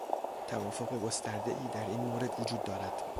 توافق گستردهای در این مورد وجود دارد.